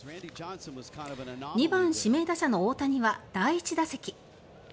２番指名打者の大谷は第１打席。